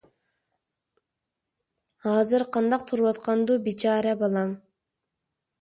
ھازىر قانداق تۇرۇۋاتقاندۇ بىچارە بالام...